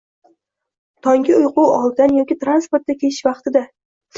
tungi uyqu oldidan yoki transportda ketish vaqtida